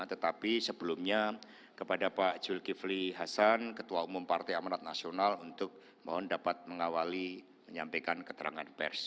tetapi sebelumnya kepada pak zulkifli hasan ketua umum partai amanat nasional untuk mohon dapat mengawali menyampaikan keterangan pers